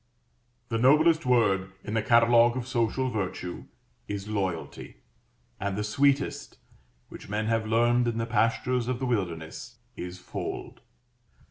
The noblest word in the catalogue of social virtue is "Loyalty," and the sweetest which men have learned in the pastures of the wilderness is "Fold."